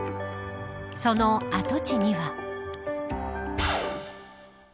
その跡地には。